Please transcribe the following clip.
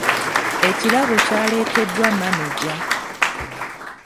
Ekirabo kyaleeteddwa maneja.